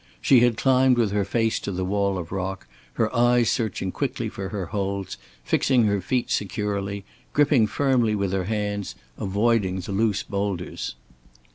She had climbed with her face to the wall of rock, her eyes searching quickly for her holds, fixing her feet securely, gripping firmly with her hands, avoiding the loose boulders.